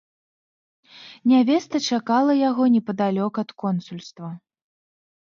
Нявеста чакала яго непадалёк ад консульства.